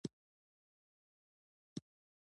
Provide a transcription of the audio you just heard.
هیله ده درانه لوستونکي مې پرېشانه افکار وبښي.